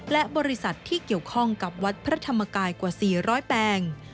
และบริษัทที่เกี่ยวข้องกับวัดพระธรรมกายกว่า๔๐๐แปลง